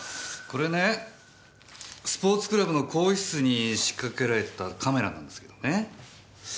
これねスポーツクラブの更衣室に仕掛けられてたカメラなんですけどね。